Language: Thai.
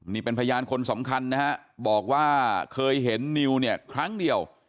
นี่เป็นพยานคนสำคัญนะฮะบอกว่าเคยเห็นนิวเนี่ยครั้งเดียว